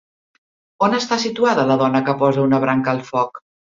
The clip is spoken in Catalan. On està situada la dona que posa una branca al foc?